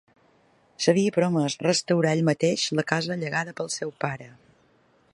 S'havia promès restaurar ell mateix la casa llegada pel seu pare.